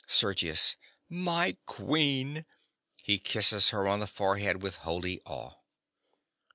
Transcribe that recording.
SERGIUS. My queen! (_He kisses her on the forehead with holy awe.